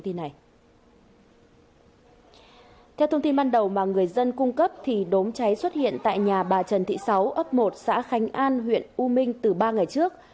theo thông tin ban đầu mà người dân cung cấp thì đốm cháy xuất hiện tại nhà bà trần thị sáu ấp một xã khánh an huyện u minh từ ba ngày trước